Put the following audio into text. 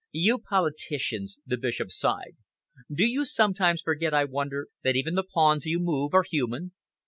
"You politicians!" the Bishop sighed. "Do you sometimes forget, I wonder, that even the pawns you move are human?"